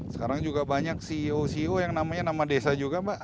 sekarang juga banyak ceo ceo yang namanya nama desa juga mbak